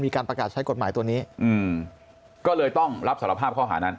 ประกาศใช้กฎหมายตัวนี้อืมก็เลยต้องรับสารภาพข้อหานั้น